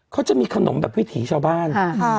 ค่าจะมีขนมแบบพริกชาวบ้าน